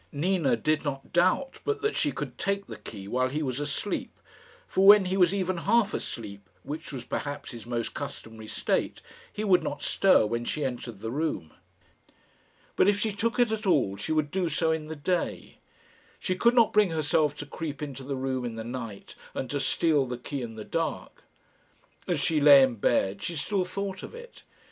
Nina did not doubt but that she could take the key while he was asleep; for when he was even half asleep which was perhaps his most customary state he would not stir when she entered the room. But if she took it at all, she would do so in the day. She could not bring herself to creep into the room in the night, and to steal the key in the dark. As she lay in bed she still thought of it.